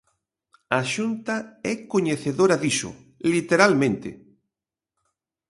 A Xunta é coñecedora diso, literalmente.